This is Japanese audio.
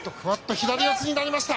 左四つになりました。